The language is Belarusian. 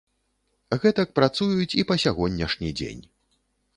Гэтак працуюць і па сягонняшні дзень.